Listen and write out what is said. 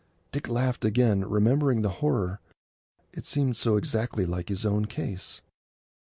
Dick laughed again, remembering the horror. It seemed so exactly like his own case.